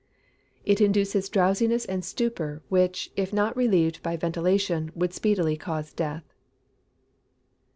_ It induces drowsiness and stupor, which, if not relieved by ventilation, would speedily cause death.